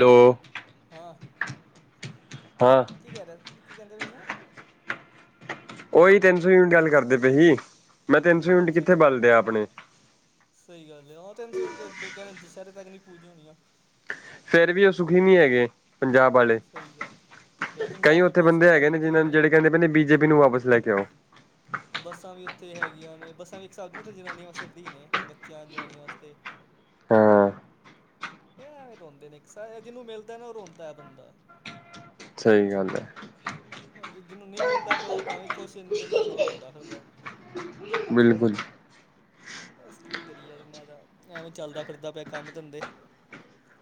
Hello, ਹਾਂ। ਹਾਂ। ਕੀ ਕਹੇ, ਕੀ ਕੈਦੇਡ ਸਰ ਉਓਹੀ ਤਿੰਨ ਸੌ ਯੂਨਿਟ ਗੱਲ ਕਰਦੇ ਪਏਜੀ। ਮੈਂ ਤਿੰਨ ਸੌ ਯੂਨਿਟ ਅੱਛਾ ਕਿੱਥੇ ਬਲਦੇ ਆਪਣੇ ਸਹੀ ਗੱਲ ਆ। ਉਹ ਤਿੰਨ ਸੌ ਕੋ ਦੁਸਹਿਰੇ ਤੱਕ ਨੀ ਪੂਜਦੇ ਹੋਣੀ ਆ। ਫੇਰ ਵੀ ਉਹ ਸੁਖੀ ਨਹੀਂ ਹੈਗੇ। ਪੰਜਾਬ ਵਾਲੇ ਸਹੀ ਗੱਲ ਯਾਰ ਕਈ ਪੰਜਾਬ 'ਚ ਉੱਥੇ ਬਹੁਤ ਬੰਦੇ ਸੁਵਿਧਾ ਹੈਗੇ ਨੇ ਕੀਤੀ ਨੂੰ ਜਿਹੜੇ ਕਹਿੰਦੇ ਪਿੰਦੇ ਬੀ ਜੇ ਪੀ ਨੂੰ ਵਾਪਸ ਲੈ ਕੇ ਆਓ। ਬੱਸਾਂ ਵੀ ਉੱਥੇ ਹੈਗੀਆਂ ਨੇ ਬੱਸਾਂ ਵੇਖ ਸਕਦੇ ਉੱਥੇ ਜਨਾਨੀਆਂ ਵਾਸਤੇ ਫਰੀ ਨੇ ਬੱਚਿਆਂ ਜਨਾਨੀਆਂ ਵਾਸਤੇ। ਹਾਂ। ਇਹ ਐਵੇਂ ਰੋਂਦੇ ਨੇ। ਇੱਕ ਸ ਜਿਹਨੂੰ ਮਿਲਦਾ ਨਾ ਉਹ ਰੋਂਦਾ ਹੈ ਬੰਦਾ। ਸਹੀ ਗੱਲ ਹੈ। ਹੁਣ ਜੀ ਜਿਹਨੂੰ ਨਹੀਂ ਮਿਲਦਾ ਪਿਆ ਉਹ ਤਾਂ ਵੀ ਖੁਸ਼। ਜਿਹਨੂੰ ਮਿਲਦਾ ਪਿਆ ਉਹ ਰੋਂਦਾ ਫਿਰਦਾ। ਬਿਲਕੁਲ। ਬਸ ਕੀ ਕਰੀਏ ਯਾਰ ਇਹਨਾਂ ਦਾ ਐਵੇਂ ਚੱਲਦਾ- ਫਿਰਦਾ ਪਿਆ ਕੰਮ- ਧੰਦੇ।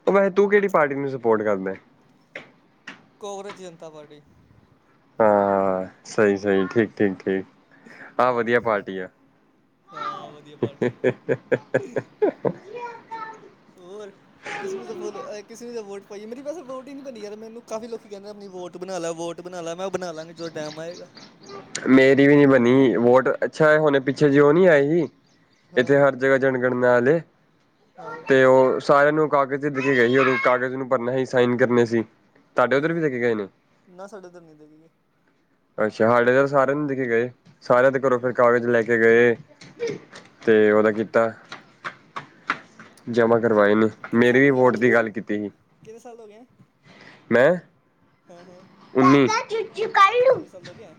ਉਹ ਵੈੇ ਤੂੰ ਕਿਹੜੀ ਪਾਰਟੀ ਨੂੰ ਸਪੋਰਟ ਕਰਦਾਹੋ? ਕਾਂਗਰਸ ਜਨਤਾ ਪਾਰਟੀ। ਹਾਂ ਸਹੀ, -ਸਹੀ, ਠੀਕ, ਠੀਕ- ਠੀਕ। ਆਹ ਤਾਂ ਵਧੀਆ ਪਾਰਟੀ ਆ - ਤਾ, ਵਧੀਆ ਪਾਰਟੀ ਹੈ। ਹੋਰ ਕਿਸੇ ਨੂੰ ਤਾਂ ਵੋਹ ਕਿਸੇ ਨੂੰ ਤਾਂ ਵੋਟ ਪਾਈ ਮੇਰੀੈਸੇ ਵੋਟ ਹੀ ਨਹੀਂ ਬਣੀਨੀ ਯਾਰ ਮੈਨੂੰ ਕਾਫੀ ਲੋਕੀ ਕਹਿੰਦੇ ਆਪਣੀ ਵੋਟ ਬਣਾ ਲ ਵੋਟ ਬਣਾ ਲਾ ਮੈਂ ਬਣਾ ਲਾਂਗੀ ਜਦੋਂ ਟਾਈਮ ਆਏਗਾ। ਮੇਰੀ ਵੀ ਨੀ ਬਣੀ ਵੋਟ ਅੱਛਾ ਹੁਣੇ ਪਿੱਛੇ ਜਿ ਉਹ ਨਹੀਂ ਆਏ ਸੀ ਇੱਥੇ ਹਾਂ ਹਰ ਜਿਹੜਾ ਜਨਗਣ ਨਾਲ ਆਹੋ। ਤੇ ਉਹ ਸਾਰਿਆਂ ਨੂੰ ਕਾਗਜ਼ ਚ ਕੇ ਗਏ ਸੀ ਉਦੋਂ ਕਾਗਜ਼ ਉਹਨੂੰ ਭਰਨਾ ਸੀ ਸਾਈਨ ਕਰਨੇ ਸੀ। ਤੁਹਾਡੇ ਹਾਂ, ਉੱਧਰ ਵੀ ਹਾਂ ਦੇ ਕੇ ਗਏ ਨੇ ਨਾ ਸਾਡੇ ਧਰਨੀ ਦੇ ਗ ਗ ਅੱਛਾ ਸਾਡੇ ਤਾਂ ਸਾਰਿਆਂ ਨੂੰ ਦੇਖ ਗਏ। ਸਾਰਿਆਂ ਦੇ ਕਰੋ ਫਿਰ ਕਾਗਜ਼ ਲੈ ਕੇ ਗਏ। ਤੇ ਉਹਦਾ ਹੂੰ ਕੀਤਾ। ਜਮ੍ਹਾਂ ਕਰਵਾਏ ਨੇ ਜਨਗਣਨਾ ਕਿੰਨੇ ਮੇਰੀ ਸਾਲ ਵੀ ਹੋ ਗਏ ਵੋਟ ਮਜੀ ਦੀ ਵੈਸੇ ਗੱਲ ਕੀਤੀ ਸੀ ਕਿੰਨੇ ਸਾਲ ਹੋ ਗਏ ਮੈਂ ਹਮ, ਹਮ। ਗਏ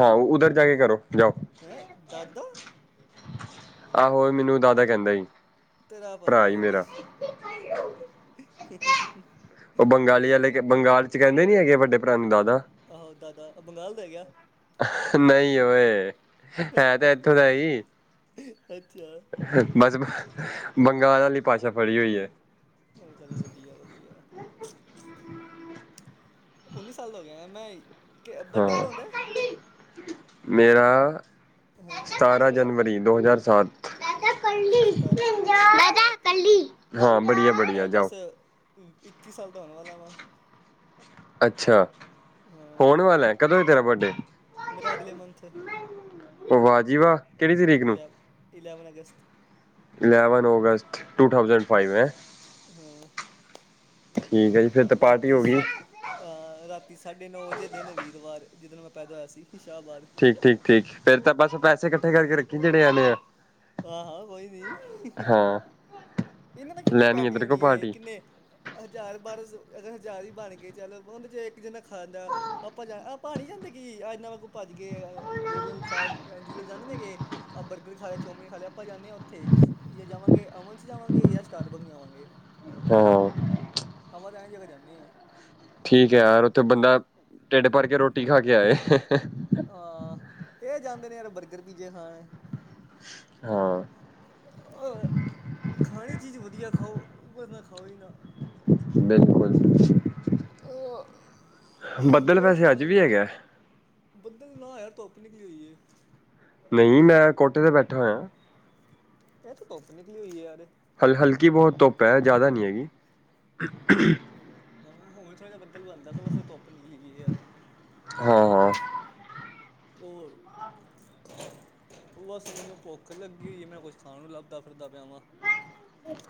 ਹਾਂ ਉਧਰ ਜਾ ਕੇ ਕਰੋ ਜਾਓ। ਹੈਂ ਦਾਦਾ। ਆਹੋ ਮੈਨੂੰ ਦਾਦਾ ਕਹਿੰਦਾ। ਤੇਰਾ ਭਰਾ ਭਲਾ ਹੋ ਜੇ ਮੇਰਾ। ਉਹ ਬੰਗਾਲੀ ਦਾ ਵਾਲੇ ਬੰਗਾਲ ਚ ਕਹਿੰਦੇ ਨੀ ਹੈਗੇ ਵੱਡੇ ਭਰਾ ਨੂੰ ਦਾਦਾ ਆਹੋ ਦਾਦਾ ਬੰਗਾਲ ਦਾ ਹੈ ਗਿਆ। ਨਹੀਂ ਏ ਹੈ ਤਾਂ ਇਏਥੋਂ ਦਾ ਹੀ ਅੱਛਾ। ਬਸ ਬੰਗਾਲ ਵਾਲੀ ਭਾਸ਼ਾ ਫੜੀ ਹੋਈ ਹੈ। ਹੋਹ ਚੱਲ ਵਧੀਆ, ਵਧੀਆ। ਚ, ਚ ਉੱਨੀ ਸਾਲ ਦਾ ਹੋ ਗਿਆ ਮੈਂ ਬਰਡੇ ਹਾਂ ਕਦੋਂ ਹੁੰਦਾ ਹੈ ਮੇਰਾ ਹਾਂ ਸਾਰਾ ਜਨਵਰੀ ਦੋ ਹਜ਼ਾਰ ਸਾਤ [unintelligible] ਹਾਂ ਬੜੀਆ, ਬੜੀਆ ਜਾਓ। ਹੂੰ, ਇੱਕੀ ਸਾਲ ਦਾ ਹੋਣ ਵਾਲਾ ਵਾ। ਅੱਛਾ, ਹੋਣ ਵਾਲੈ ਕਦੋਂ ਏ ਤੇਰਾ ਬਰਡੇ। [unintelligible] ਵਾਹ ਜੀ ਵਾਹ, ਕਿਹੜੀ ਤਰੀਕ ਨੂੰ। ਇਲੈਵਨ ਅਗਸਤ eleven August two thousand five ਹੈਂ। ਹੂੰ। ਠੀਕ ਹੈ ਜੀ। ਫਿਰ ਤਾਂ ਪਾਰਟੀ ਰਾਤੀ ਹੋ ਗਈ ਸੱਟ ਆ ਰਾਤੀ ਸਾਢੇ ਨੌ ਵਜੇ ਦਿਨ ਵੀਰਵਾਰ ਜਿੱਦਨ ਮੈਂ ਪੈਦਾ ਹੋਇਆ ਸੀ ਸ਼ਾਹਬਾਦ। ਠੀਕ, ਠੀਕ, ਠੀਕ ਫੇਿਰ ਤਾਂ ਬਸ ਪੈਸੇ ਇਕੱਠੇ ਕਰਕੇ ਰੱਖੀ ਜਿਹੜੇ ਆਨੇ ਆ। ਆਹੋ ਕੋਈ ਨਹੀਂ। ਹੀ, ਹੀ ਹਾਂ ਇਹਨਾਂ ਤੇ ਕੀਤੀ ਲੈਣੀ ਪੈਟੀ ਤੇਰੇ ਕੋਲ ਹੋਣੀ ਹੈ ਪਾਰਟੀ ਕਿੰਨੇ ਹਜ਼ਾਰ ਬਾਰ ਅਗਰ ਹਜ਼ਾਰ ਹੀ ਬਣ ਗਏ ਚੱਲ ਉਹਦੇ 'ਚ ਇੱਕ ਜਨਾ ਖਾਂਦਾ। ਆਪਾਂ ਜਾ ਆਪਾਂ ਨਹੀਂੀ ਜਾਂਦੇ ਕਿ ਆ ਨਵਾਂ ਕੁ ਭੱਜ ਕੇ ਗੋਰੀਆਂੱਕ ਜਾਂਦੇ ਨੇਗੇ। ਆ ਬਰਗਰ ਖਾ ਲਿਆ ਚੋਮਮੀਨ ਖਾ ਲਿਆ ਆਪਾਂ ਜਾਂਦੇ ਹਾਂ ਉੱਥੇ ਜਾਂ ਜਾਵਾਂਗੇ ਅਮਨ ਜਾਵਾਂਗੇ ਜਾਂ ਸਟਾਰਬਰਗ ਜਾਵਾਂਗੇ ਹਾਂ ਹਵਾ ਤਾਂ ਐਵੇ ਜਗ੍ਹਾ ਜਾਂਦੇ ਹਾਂ। ਠੀਕ ਹੈ ਯਾਰ ਉੱਥੇ ਬੰਦਾ ਟਿਡ ਭਰ ਕੇ ਰੋਟੀ ਖਾ ਕੇ ਆਏ। ਹ, ਹ ਹਾਂ ਇਹ ਜਾਂਦੇ ਨੇ ਯਾਰ ਬਰਗਰ ਪੀਜੇ ਖਾਣ ਹਾਂ। ਹੋਰ, ਖਾਣੀ ਚੀਜ਼ ਵਧੀਆ ਖਾਓ ਵਰਨਾ ਖਾਓ ਹੀ ਨਾ। ਬਿਲਕੁਲ ਅ ਬੱਦਲ ਹੋਰ ਵੈਸੇ ਸੁਣਾ ਅੱਜ ਨਵੀ ਵੀ ਤਾਜੀ। ਹੈਗਾ ਬੱਦਲ ਨਾਂ ਯਾਰ ਧੁੱਪ ਨਿਕਲੀ ਹੋਈ ਏ। ਨਹੀਂ ਮੈਂ ਕੋਠੇ ਤੇ ਬੈਠਾ ਹੋਇਆ। ਇਥੇ ਧੁੱਪ ਨਿਕਲੀ ਹੋਈ ਏ ਯਾਰ ਹਲ ਹਲਕੀ ਬਹੁਤ ਧੁੱਪ ਹੈ ਜ਼ਿਆਦਾ ਨੀ ਹੈਗੀ ਹਾਂ ਹਾਂ ਹੁਣ ਥੋੜ੍ਹਾ ਜਿਹਾ ਬੱਦਲ ਬਣਦਾ ਪਿ ਵੈਸੇ ਧੁੱਪ ਨਿਕਲੀ ਹੋਈ ਏ ਯਾਰ ਹਾਂ ਹਾਂ ਉਹ ਉਹ ਬਸ ਮੈਨੂੰ ਭੁੱਖ ਲੱਗੀ ਹੋਈ ਏ ਮੈਂ ਕੁੱਝ ਖਾਣ ਨੂੰ ਲੱਭਦਾ ਫਿਰਦਾ ਪਿਆ ਵਾਂ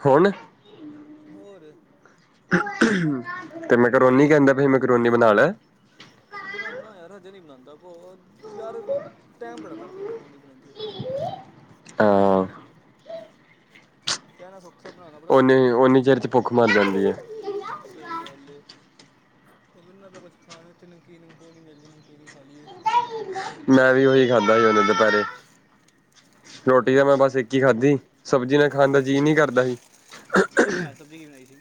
ਹੁਣ ਹੋਰ ਤੇ ਮੈਂਕਰੋਨੀ ਕਹਿੰਦਾ ਪਿਆ ਮੈਂਕਰੋਨੀ ਬਣਾ ਲੈ ਬਨਾਨਾ ਯਾਰ ਹਜੇ ਨਹੀਂ ਬਨਾਂਦਾ ਭ [unintelligible] ਯਾਰ ਟਾਈਮ ਬੜਾੱ ਲਗਦਾ ਈ ਮੈਕੋਨੀ ਬਨਨ ਚ ਹਾਂ ਕਹਿਣਾ ਸੌਖੈ ਬਣਾਉਣਾ ਬੜਾਨਾ ਬ [unintelligible] ਕਿੱਡਾ ਓਨੇ ਔਖੈ। ਓਨੀ ਚਿਰ ਚ ਭੁੱਖ ਮਰ ਜਾਂਦੀ ਹੈ ਸਹੀ ਗੱਲ ਏ। ਉਹ ਵੇਨਾ ਪਿਆ ਕੁਛ ਖਾਣ ਨੂੰ ਇਥੇ ਨਮਕੀਨ ਨਮਕੂਨ ਹੀ ਮਿਲ ਜੇ ਨਮਕੀਨ ਹੀ ਖਾ ਲੀਏ ਮੈਂ ਵੀ ਉਹੀ ਖਾਧਾ ਹੀਂ ਹੁਨੇ ਦੁਪਹਿਰੇ ਰੋਟੀ ਹਾਂ ਤਾਂ ਮੈਂ ਬਸ ਇੱਕ ਹੀ ਖਾਧੀ ਸਬਜ਼ੀ ਨਾ ਖਾਣ ਦਾ ਜੀਅ ਨਹੀਂ ਕਰਦਾ ਹੀ ਕੀ ਬਣਾਇਆ ਸਬਜ਼ੀ ਕੀ ਬਣਾਈ ਸੀ?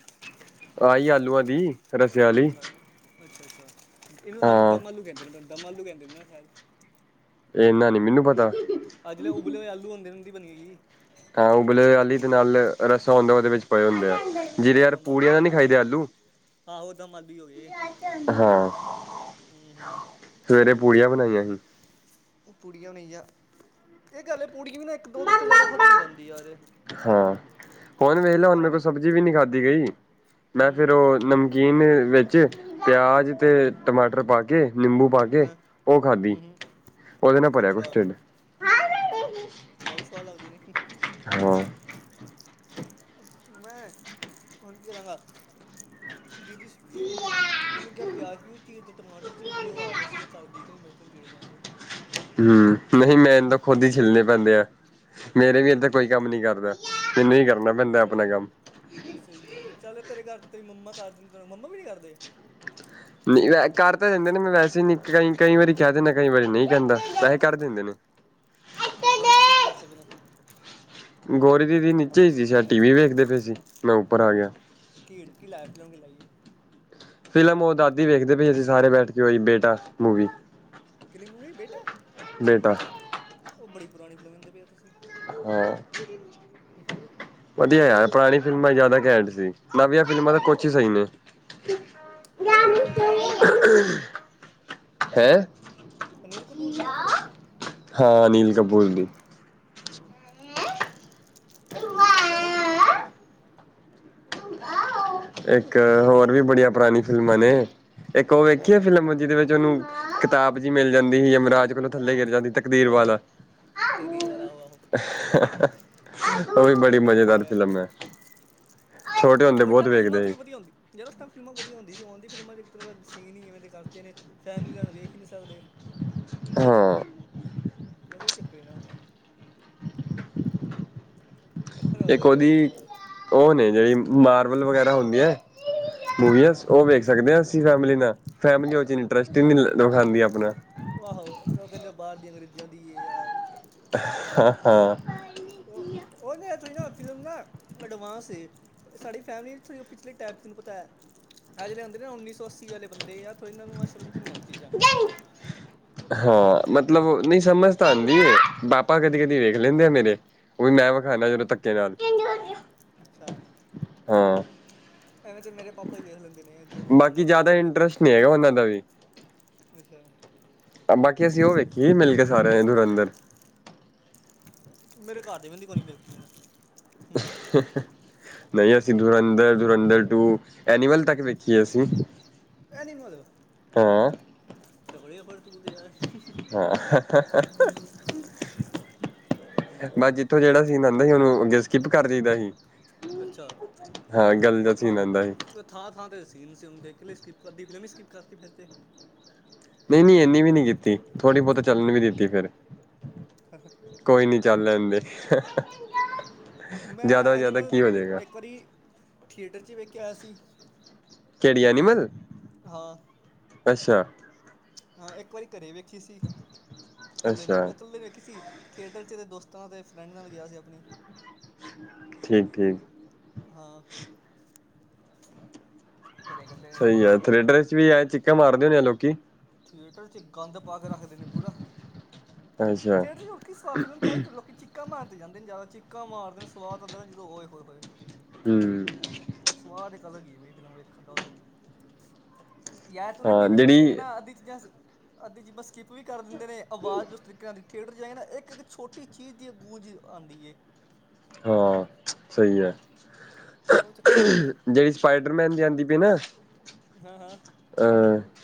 ਆਹੀ ਆਲੂ ਆਲੂਆਂ ਦੀ ਰਸੇ ਆਲੀ ਅੱਛਾ, ਅੱਛਾ ਇਹਨੂੰ ਆਲੂ ਦਮ ਆਲੂ ਕਹਿੰਦੇ ਨੇ ਦਮ ਆਲੂ ਕਹਿੰਦੇ ਨੇ ਨਾ ਸ਼ਾਇਦ ਏਨਾਂ ਨੀ ਮੈਨੂੰ ਪਤਾ ਅੱਜ ਨਾ [unintelligible] ਉਬਲੇ ਹੋੲ ਆਲੂ ਹੋਂਦੇ ਨ ਉਂਹਦੀ ਬਣੀ ਹੀ। ਹਾਂ ਉਬਲੇ ਹੋਏ ਆਲੀ ਤੇ ਨਾਲ ਰੱਸਾ ਹੁੰਦਾ ਉਹਦੇ ਵਿੱਚ ਪਏ ਹੁੰਦੇ ਐ ਜਿਹੜੇ ਹਾਂ ਯਾਰ ਦਮ ਆਲੂ ਪੂੜੀਆਂ ਨਾ ਨਈ ਕਹਿੰਦੇ ਖਾਈਦੇ ਆਲੂ ਆਹੋ ਦਮ ਆਲੂ ਹੀ ਹੋ ਗਏ ਹਾਂ ਹੂੰ ਸਵੇਰੇ, ਪੂੜੀਆਂ ਬਣਾਈਆਂ ਸੀ? ਪੁੜੀਆਂ ਬਣਾਈਆਂ, ਇਹ ਗੱਲ ਏ ਪੁੜੀ ਵੀ ਨਾ ਇਕ ਦੋ ਉਤੇ ਜ਼ਿਆਦਾ ਖਾਧੀ ਨ ਜਾਂਦੀ ਯਾਰ ਹਾਂ, ਹੁਨ ਵੇਹਲੈ ਹੁਣ ਉਹ ਨਾ ਮੇਰੇ ਕੋ ਫਿਰ ਸਬਜ਼ੀ ਵੀ ਨਹੀਂ ਖਾਧੀ ਗਈ, ਮੈਂ ਫੇਰ ਹੂੰ ਉਹ [unintelligible] ਨਮਕੀਨ ਵਿੱਚ, ਪਿਆਜ ਤੇ ਟਮਾਟਰ ਪਾ ਕੇ ਨਿੰਬੂ ਭਰ ਕੇ ਹਾਂ ਉਹ ਖਾਧੀ ਹੂੰ ਹੂੰ ਉਹਦੇ ਨਾਲ ਭਰਿਆ ਕੁਛ ਅੱਛਾ ਢਿੱਡ ਆ ਵੀ, ਸਵਾਦ ਲੱਗਦੇ ਨੇ? ਹਾਂ ਮੈਂ ਹਾਂਜੀ ਦੇਦਾਂਗਾ ਬੀਬੀ ਸੁੱਤੀ ਹੋਈ ਏ? ਉਹਨੂੰ ਕਿਹਾ, ਪਿਆਜ਼ ਪਯੂਜ ਚੀਰਦੇ ਟਮਾਟਰ ਚੀਰਦੇ ਦਿਓ, ਉਹ ਆਲਸ ਜਿਹਾ ਕਰਦੀ ਕਹਿੰਦੀ ਮੇਰੇ ਕੋ ਨੀ ਚੀੜੇ ਜਾਂਦੇ ਹੂੰ ਨਹੀਂ, ਮੈਨ ਖੁੱਦ ਹੀ ਛਿੱਲਣੇ ਪੈਂਦੇ ਐ ਮੇਰੇ ਵੀ ਇਦ ਕੋਈ ਕੰਮ ਨੀ ਕਰਦਾ, ਮੈਨੂੰ ਹੀ ਕਰਨਾ ਪੈਂਦਾ ਆਪਣਾ, ਕੰਮ ਸਹੀ ਆ, ਚੱਲ ਤੇਰੇ ਘਰ ਤੇਰੀ ਮੰਮਾ ਦੱਸਦੇ ਮੰਮਾ ਵੀ ਨਹੀਂ, ਕਰਦੇ ਨਹੀਂ ਕਰ ਤਾਂ, ਦਿੰਦੇ ਨੇ ਮੈਂ ਵੈਸੇ ਨ ਕਈ ਕਈ ਵਾਰੀ ਕਹਿ ਦਿੰਦਾ, ਕਈ ਵਾਰੀ ਨਹੀਂ ਕਹਿੰਦਾ, ਵੈਸੇ ਕਰ ਦਿੰਦੇ, ਨੇ ਹੋਰ, ਗੋਰੀ ਦੀਦੀ ਕੀ, ਕਰਦੇ ਪਏ ਨੇ? ਗੋਰੀ ਦੀਦੀ ਨੀਚੇ ਹੀ ਸੀਸ਼ਾਇਦ ਟੀ ਵੀ ਵੇਖਦੇ ਪਏ ਸੀ ਮੈਂ ਉੱਪਰ ਆ ਗਿਆ ਕੀ ਕੀ [unintelligible] ਫਿਲਮ ਉਹ ਦਾਦੀ ਵੇਖਦੇ ਪਏ ਸੀ, ਅਸੀਂ ਸਾਰੇ ਬੈਠ ਕੇ ਔਈ ਬੇਟਾ ਮੂਵੀ। ਕੇਹੜੀ ਮੂਵੀ [unintelligible] ਬੇਟਾ। ਬੇਟਾ ਉਹ, ਬੜੀ ਪੁਰਾਣੀ ਫਿਲਮ, ਵੇਖਦੇ ਪਏ ਸੀ ਹਾਂ ਹਮ ਹ [unintelligible] ਵਧੀਆ ਯਾਰ, ਪੁਰਾਣੀ ਫਿਲਮਾਂ ਜ਼ਿਆਦਾ ਘੈਂਟ ਸੀ। ਨਵੀਆਂ ਫਿਲਮਾਂ ਤਾਂ ਹੁਣ ਕੁਛ ਹੀ ਸਹੀ ਨੇ ਉਹੀ ਵਾਲੀ ਫਿਲਮ ਕਿਆ ਅਨਿਲ ਕਪੂਰ ਦੀ ਨਾ ਹੈਂ?? ਅਨਿਲ ਕਪੂਰ ਦੀ ਨਾ ਯਾ, ਫਿਲਮ ਆ ਹਾਂ ਅਨਿਲ ਕਪੂਰ ਦੀ ਹੂ [inaudible] ਮੈਂ, ਖੁਦ ਬੜੀ ਦੇਖੀ ਆ ਇੱਕ ਹੋਰ ਵੀ, ਬੜੀਆਂ ਪੁਰਾਣੀਆਂ ਫਿਲਮਾਂ ਨੇ, ਇੱਕ ਉਹ ਹੂੰ ਵੇਖੀ ਹੂੰ ਫਿਲਮ ਜਿਹਦੇ ਵਿੱਚ, ਉਹਨੂੰ ਕਿਤਾਬ, ਜਿਹੀ ਮਿਲ ਜਾਂਦੀ ਹੀ, ਜਮਰਾਜ ਮੈਨੂੰ ਥੱਲੇ ਗੈਰ ਦਿੰਦਾ ਤੇ ਤਕਦੀਰ ਆਹੋ ਵਾਲਾ ਤਕਦੀਰ ਵਾਲਾ ਉਹ ਆਹੋ ਉਵੀ, ਬੜੀ ਉਹੀ ਫਿਲਮ ਮਜ਼ੇਦਾਰ ਵਧੀਆ ਹੈ ਫਿਲਮ ਏ ਛੋਟੇ ਹੁੰਦੇ ਉਸ ਬਹੁਤ ਟਾਈਮ ਫਿਲਮਾਂ ਵੇਖਦੇ ਤੋਂ ਸੀ ਵਧੀਆ ਹੁੰਦੀ, ਜਦੋਂ ਤੱਕ ਫਿਲਮਾਂ ਵਧੀਆ ਹੁੰਦੀ ਸੀ। ਹੁਣ ਇੱਕ ਤਰਫ ਸੀਨ ਹੀ, ਇਵੇਂ ਦੇ ਕਰਤੇ ਨੇ ਫੈਮਿਲੀ ਤੱਕ, ਵੇਖ ਹੀ ਨਹੀਂ ਸਕਦੇ? ਹਾਂ ਬਸ, ਉਹ ਚੱਕਰ ਨਾ ਚੱਕਰ ਇੱਕ ਕੋਈ ਨਹੀਂ ਹੈਗਾ ਉਹਦੀ, ਫਿਲਮਾਂ ਦਾ ਉਹ ਨਈ, ਜਿਹੜੀ ਮਾਰਬਲ ਵਗੈਰਾ ਹੁੰਦੀ, ਏ ਮੂਈਆਂ ਹਾਂ ਹਾਂ ਸੂਓਂ ਵੇਖ ਰੱਖਦੇ ਹਾਂ, ਅਸੀਂ ਫੈਮਲੀ ਨਾਲ ਫੈਮਿਲੀ ਉਦੇ ਚ ਇੰਟਰਸਟ ਵਿਖਾਉਂਦੀ, ਆਪਣਾ ਆਹੋ, ਓ ਕਹਿੰਦੇ ਬਾਹਰ ਦੀ ਅੰਗਰੇਜ਼ਾਂ ਦੀ, ਆ ਹਾਂ ਹਾਂ ਉਦੇ ਉਥੇ ਨਾ, ਫਿਲਮ ਨਾ ਅਡਵਾਂਸ, ਏ ਐ ਸਾਡੀ ਫੈਮਿਲੀ, ਇਥੋਂ ਦੀ ਪਿਛਲੇ ਟਾਈਪਸ ਨੇ ਪਤਾ, ਅ ਆ ਜਿਹੜੇ ਹੁੰਦੇ ਨਾ, ਉੱਨੀ ਸੌ ਅੱਸੀ ਵਾਲੇ ਬੰਦੇ ਆ ਥੋੜੀ ਇਨ੍ਹਾਂ ਨੂੰ ਸਮਝ ਨਹੀਂ ਆਦੀ, ਅ ਚੀਜ਼ਾਂ ਹਾਂ ਮਤਲਬ, ਨਹੀਂ ਸਮਝ ਤਾਂ ਆਉਂਦੀ ਏ, ਪਾਪਾ ਕਦੀ ਹੂੰ ਕਦੀ ਵੇਖ ਲਹਿਦੇ ਮੇਰੇ, ਉਹ ਵੀ ਮੈਂ ਵਿਖਾਾਨਾ, ਹਾਂ ਜਦੋ ਧੱਕੇ ਨਾਲ ਅੱਛਾ ਹਾਂ ਐਵੇਂ ਚ, ਮੇਰੇ ਪਾਪਾ ਵੀ ਵੇਖ ਲੈਂਦੇ ਨੇ, ਜੋ ਵਿਖਾਵਾਂਗਾ ਉਹ ਵੇਖ, ਲੈਣ ਗੇ ਤੇ ਹੈਗਾ, ਉਹਨਾਂ ਦਾ ਵੀ ਅੱਛਾ [inaudible] ਬਾਕੀ ਅਸੀਂ ਉਹ ਵੇਖੀਏ ਏਹਨੂੰ ਮਿਲ ਗੇ ਸਾਰੇ ਇਨੂੰ ਅੰਦਰ ਮੇਰੇ, ਘਰ ਦੇ ਵਿੱਚ ਕੋ ਨ ਮਿਲ, ਕੇ ਮੇਰਾ ਏ ਹੇ ਨਹੀਂ। ਅਸੀਂ ਦੁਰੰਧਰ, ਦੁਰੰਧਰ ਟੂ, ਐਨੀਮਲ ਤੱਕ ਵੇਖੀਏ ਅਸੀਂ ਐਨੀਮਲ ਹਾਂ ਤਕੜ ਆ ਫਰ ਤਗਾ ਦੇ ਆ [inaudible] ਹੂੰ ਮਜੀ ਇਥੋਂ ਜਿਹੜਾ ਸੀਨ ਆਦਾ ਸੀ। ਉਹਨੂੰ ਅੱਗੇ ਸਕਿੱਪ ਕਰ ਜਾਈਦਾ ਸੀ। ਅੱਛਾ! ਹਾਂ ਗੱਲ ਉਹ ਦਾ ਥਾਂ ਸੀਨ ਆਉਂਦਾ ਸੀ ਥਾਂ -ਥਾਂ ਤੇ ਸੀਨ ਸੀ। ਹੁੰਦੇ ਇਕ ਲਈ ਸਕਿੱਪ ਕਰਦੀ ਫਿਲਮ ਸਕਿੱਪ ਕਰਤੀ ਫਿਰ ਤੇ ਨਹੀਂ -ਨਹੀਂ, ਇੰਨੀ ਵੀ ਨੀ ਕੀਤੀ। ਥੋੜ੍ਹੀ ਬਹੁਤੀ ਚੱਲਣ ਵੀ ਦਿੱਤੀ। ਫਿਰ ਹਾਂ -ਹਾਂ ਕੋਈ ਨੀ ਚੱਲ ਲੈਂ ਦੇ ਮੈਂ ਐਨੀਮਲ ਇੱਕ ਵਾਰੀ ਠੇਟਰ 'ਚ ਵੇਖ ਕੇ ਆਇਆ ਸੀ। ਕਿਹੜੀ ਐਨੀਮਲ ਹਾਂ ਅੱਛਾ! ਅਹ ਇੱਕ ਵਾਰੀ ਘਰੇ ਵੇਖੀ ਸੀ। ਕੱਲੇ ਅੱਛਾ ਨਹੀਂ, ਮੈਂ ਕੱਲੇ ਵੇਖੀ ਸੀ। ਠੇਟਰ 'ਚ ਇਹ ਦੋਸਤਾਂ ਅਤੇ ਫਰੈਂਡ ਨਾਲ ਗਿਆ ਸੀ। ਆਪਣੀ ਠੀਕ-ਠੀਕ ਹਾਂ ਘਰੇ ਇਕੱਲੇ ਸਹੀ ਹੈ। ਥੇਟਰ ਚ, ਵੀ ਆ ਚਿੱਕਾਂ ਮਾਰਦੇ ਹੁੰਦੇ ਆ ਲੋਕੀ ਥੇਟਰ ਚ ਗੰਦ ਪਾ ਕੇ ਰੱਖਦੇ ਨੇ ਪੂਰਾ ਅੱਛਾ ਠੇਟਰ ਟਰ ਚ ਉੱਠ ਕੇ ਸਵਾ ਫਿਲਮ ਤਾਈ ਤੁਰੋ ਕਿ ਚਿਕ ਕਮਾ ਆਦੇ ਜਾਂਦੇ ਚਿੱਕਾ ਮਾਰਦੇ ਨੇ ਸਵਾਦ ਆਉਂਦਾ ਨਾ ਜਦੋਂ ਹੋਏ- ਹੋਏ- ਹੋਏ ਹਮ ਸਵਾਦ ਇੱਕ ਅਲੱਗ ਹੀ ਐ ਫਿਲਮ ਵੇਖਣ ਦਾ ਉਦੋਂ ਯਾਰ ਅਸੀ ਉਹਨੇ ਟੀ ਹਾਂ ਵੀ ' ਵੇਖਣਗੇ ਜਿਹੜੀ ਨਾ ਅੱਧੀ ਚੀਜ਼ ਅੱਧੀ ਜੀਬਾਂ ਸਕਿੱਪ ਵੀ ਕਰ ਦਿੰਦੇ ਨੇ ਆਵਾਜ਼ ਨੂੰ ਉਸ ਤਰੀਕੇ ਨਾਲ ਥੀਏਟਰ ਜਾਈਏ ਨਾ ਇੱਕ ਛੋਟੀ ਚੀਜ਼ ਦੀ ਗੂੰਜ ਆਉਂਦੀ ਹੈ। ਹਾਂ ਸਹੀ ਹੈ। ਉਹ ਚੱਕਰ ਏ ਨਾ ਫਿਰ ਜਿਹੜੀ ਸਪਾਈਡਰਮੈਨ ਜਾਂਦੀ ਪਈ ਨਾ। ਹਾਂ-ਹਾਂ ਅ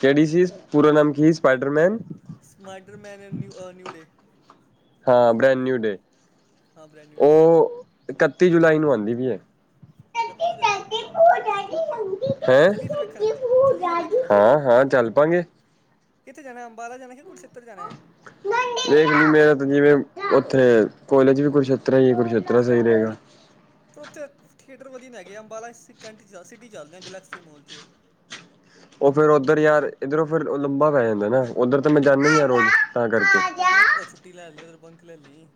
ਕਿਹੜੀ ਸੀ। ਪੂੂਰਾ ਨਾਮ ਕੀ ਸਪਾਈਡਰਮੈਨ? ਸਮਾਰਟਮੈਨ ਨਿਊਡੇ ਹਾਂ ਬ੍ਰੈਂਡ ਨਿਊ ਡੇ। ਹਾਂ ਬ੍ਰੈਡੋਸਰੀ ਉਹ ਇਕੱਤੀ ਜੁਲਾਈ ਨੂੰ ਆਂਦੀ ਪਈ ਹੈ ਤੇ ਇਕੱਤੀ ਜੁਲਾਈ ਨੂੰ। ਹੈਂ ਚੱਲੀਏ ਫਿਰ ਵੇਖਣ -ਚੱਲੀਏ ਫਿਰ ਵੇਖਣ। ਹਾਂ ਹਾਂ ਚੱਲ ਪਾਂਗੇ ਕਿੱਥੇ ਜਾਣਾ ਅੰਬਾਲਾ ਜਾਣਾ ਕਿ, ਕੁਰਕਸ਼ੇਤਰ ਜਾਣਾ ਹੈ? ਦੇਖ ਲਈ ਮੇਰਾ ਤਾਂ ਜਿਵੇਂ ਉੱਥੇ ਕੋਲੇਜ ਵੀ ਕੁਰਕਸ਼ੇਤਰ ਹੀ, ਕੁਰਕਸ਼ੇਤਰ ਸਹੀ ਰਹੇਗਾ। ਪਰ ਉੱਥੇ ਥੀਏਟਰ ਟਰ ਵਧੀਆ ਨਹੀਂ ਹੈਗੇ ਅੰਬਾਲਾ ' ਚ ਸਿਟੀ ਚੱਲਦੇ ਹਾਂ ਗਲੈਕਸੀ ਮੋਲ 'ਚ। ਉਹ ਫੇਰ ਉੱਧਰ ਯਾਰ ਇਧਰੋਂ ਫਿਰ ਲੰਬਾ ਪੈ ਜਾਂਦਾ ਨਾ ਓਧਰ ਤਾਂ ਮੈਂ ਜਾਂਦੀ ਆ ਰੋਜ਼ ਤਾਂ ਕਰਕੇ। ਓ ਇੱਕ ਛੁੱਟੀ ਲੈ ਲਈ ਉੱਧਰ ਬੰਕ ਲੇ ਲਈ।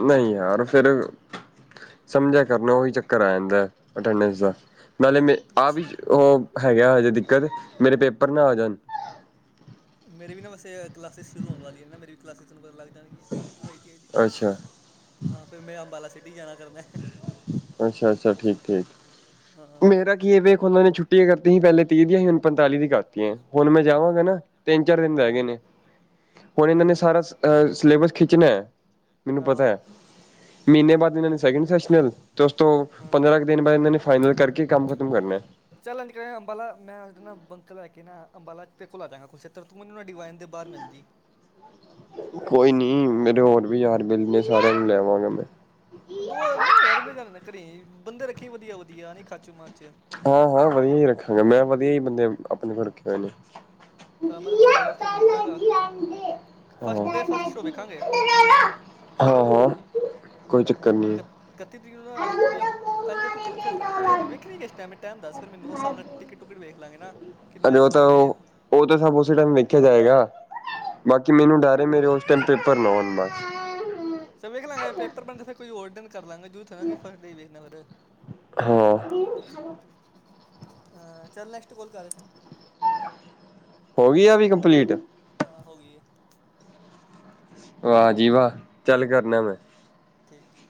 ਨਹੀਂ ਯਾਰ ਫੇਰ। ਸਮਝਿਆ ਕਰ ਨਾ ਉਹੀ ਚੱਕਰ ਆ ਜਾਂਦਾ ਅਟੇਂਡੇਸ ਦਾ। ਨਾਲੇ ਮੇ ਆਹ ਵੀ ਅੱਛਾ ਉਹ ਹੈਗਾ ਹਜੇ ਦਿੱਕਤ ਮੇਰੇ ਪੇਪਰ ਨਾ ਆ ਜਾਣ। ਮੇਰੇ ਵੀ ਨਾ ਵੈਸੇ ਕਲਾਸਿਸ ਸ਼ੁਰੂ ਹੋਣ ਵਾਲੀਆਂ ਨੇ ਨਾ ਮੇਰੀ ਵੀ ਕਲਾਸਿਸ ਤੁੈਨੂੰ ਪਤਾ ਲੱਗ ਜਾਣਗੀਆਂ। ਆਈ ਟੀ ਆਈ ਦੀ ਅੱਛਾ ਹਾਂ ਫੇਰ ਮੈਂ ਅੰਬਾਲਾ ਸਿਟੀ ਜਾਣਾ ਕਰਨਾ। ਹੈ ਅੱਛਾ, ਅੱਛਾ ਠੀਕ ਏ ਹਾਂ ਹਾਂ ਮੇਰੇ। ਕਿ ਇਹ ਵੇਖ ਉਹਨਾਂ ਨੇ ਛੁੱਟੀਆਂ ਕਰਤੀ ਸੀ ਪਹਿਲੇ ਤੀਹ ਦੀਆਂ ਸੀ ਹੁਣ ਪੰਤਾਲੀ ਦੀ ਕਰਤੀਆਂ ਹੁਣ ਮੈਂ ਜਾਵਾਂਗਾ ਨਾ। ਤਿੰਨ ਚਾਰ ਦਿਨ ਰਹਿ ਗਏ ਨੇ ਹਾਂ ਹੁਣ ਇਹਨਾਂ ਨੇ ਹਾਂ ਸਾਰਾ ਸਿਲੇਬਸ ਖਿੱਚਣਾ ਹੈ। ਮੈਨੂੰ ਪਤਾ ਆਹੋ ਹੈ ਮਹੀਨੇ ਬਾਅਦ ਇਹਨਾਂ ਨੇ ਸੈਕਿੰਡ ਸੈ ਤੇ ਉਸ ਤੋਂ ਹਾਂ ਪੰਦਰਾਂ ਕੁ ਦਿਨ। ਦਿਨ ਬਾਅਦ ਇਹਨਾਂ ਨੇ ਫਾਈਨਲ ਕਰਕੇ ਕੰਮ ਖਤਮ ਕਰਨਾ। ਚੱਲ ਇੰਝ ਕਰ ਅੰਬਾਲਾ ਮੈਂ ਨਾਬੰਕ ਲੈ ਕੇ ਨਾ ਅੰਬਾਲਾ ਤੇਰ ਕੋਲ ਆ ਜਾਾਂਗਾ ਕੁਰਕਸ਼ੇਤਰ। ਤੂੰ ਮੈਨੂੰ ਨਾ ਡਿਵਾਈਨ ਦੇ ਬਾਹਰ ਮਿਲ ਜਾਈ। ਕੋਈ ਨੀ ਮੇਰੇ ਹੋਰ ਵੀ ਯਾਰ ਬੇਲੀ ਨੇ ਸਾਰਿਆਂ ਨੂੰ ਲੈ ਆਵਾਂਗਾ ਮੈਂ। ਦੋ ਨਾ ਯਾਰ ਯ ਘਰੇ ਬੰਦੇ ਰੱਖੀ ਵਧੀਆ ਵਧੀਆ ਨ ਖਾਚੂ ਮਾਚ। ਹਾਂ ਹਾਂ ਵਧੀਆ ਹੀ ਰੱਖਾਂਗਾ ਮੈਂ ਵਧੀਆ ਹੀ ਬੰਦੇ ਆਪਣੇ ਕੋਲ ਰੱਖੇ ਹੋਏ ਨੇ। ਤਾਂ ਮੈਂ ਤੈਨੂੰ ਅੰਬਾਲਾ ਉਥੇ ਮਿਲ ਜਾਵਾਂਗਾ। ਹਾਂ ਫਸਟ ਡੇ ਫਸਟ ਸ਼ੋਅ ਵੇਖਾਂਗੇ। ਹਾਂ ਹਾਂ ਕੋਈ ਚੱਕਰ ਨਹੀਂ ਆ। ਇਕੱਤੀ ਤਰੀਕ ਨੂੰ ਨਾ ਇੱਥੋਂ ਦੀ ਆਪ ਅੱਜ ਕੱਲ ਤੂੰ ਕ ਫਿਰ ਵੇਖਣ ਨਹੀਂ ਗਏ। ਟ ਮੈਂ ਟਾਈਮ ਦੱਸ ਫਿਰ ਮੈਨੂੰ ਉਸ ਹਿਸਾਬ ਨਾਲ ਟਿਕਟ ਟਕਟ ਵੇਖ ਲਾਂਗੇ ਨਾ। ਕਿੰਨੇ ਵਜੇ ਅਜੋਂ ਉਹ ਤਾਂ ਸ਼ੋਅ ਏ ਉਹ। ਉਹ ਤਾਂ ਸਭ ਉਸੇ ਟਾਈਮ ਵੇਖਿਆ ਜਾਏਗਾ। ਬਾਕੀ ਮੈਨੂੰ ਡਰ ਏ ਮੇਰੇ ਉਸ ਟਾਈਮ ਪੇਪਰ ਨਾ ਆਉਣ ਬਸ। ਚਲ ਵੇਖ ਲਾਂਗੇ ਇਹ ਪੇਪਰ ਬਣਦਾ ਫਿਰ ਕੋਈ ਹੋਰ ਦਿਨ ਕਰ ਲਾਂਗਾ ਜਰੂਰੀ ਥੋੜਾ ਕੋਈ ਫਸਟ ਡੇ ਵੇਖਣਾ ਫਿਰ। ਹਾਂ ਅ ਚੱਲ ਨੈਕਸਟ ਕੋਲ ਕਰ। ਹੋ ਗਈ ਆ ਵੀ ਕੰਪਲੀਟ। ਹਾਂ ਹੋ ਗਈ ਹੈ। ਵਾਹ ਜੀ, ਵਾਹ ਚੱਲ ਕਰਨਾ ਮੈਂ। ਠੀਕ ਏ।